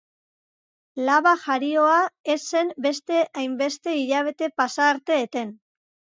Laba jarioa ez zen beste hainbeste hilabete pasa arte eten.